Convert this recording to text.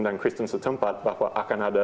dan kristen setempat bahwa akan ada